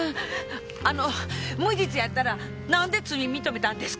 あの無実やったらなんで罪認めたんですか？